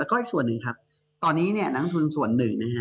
แล้วก็ส่วนหนึ่งครับตอนนี้นางทุนส่วนหนึ่ง